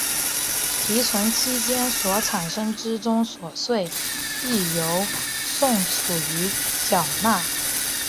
提存期间所产生之综所税亦由宋楚瑜缴纳。